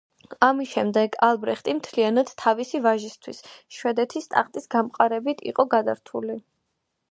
ამის შემდეგ ალბრეხტი მთლიანად თავისი ვაჟისათვის შვედეთის ტახტის გამყარებით იყო გადართული.